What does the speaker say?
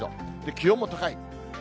気温も高い。